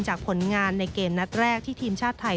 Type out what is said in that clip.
ผลงานในเกมนัดแรกที่ทีมชาติไทย